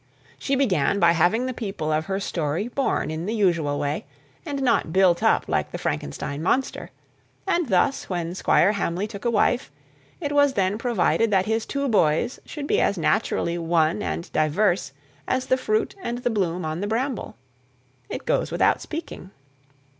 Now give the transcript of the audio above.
She began by having the people of her story born in the usual way, and not built up like the Frankenstein monster; and thus when Squire Hamley took a wife, it was then provided that his two boys should be as naturally one and diverse as the fruit and the bloom on the bramble. "It goes without speaking."